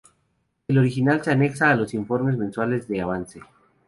El original se anexa a los informes mensuales de avance.